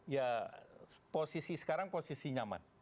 ya posisi sekarang posisi nyaman